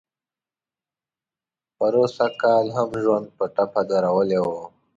پروسږ کال هم ژوند په ټپه درولی و.